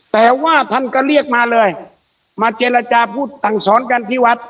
แต่ว่าท่านก็เรียกมาเลยมาเจรจาพูดสั่งสอนกันที่วัด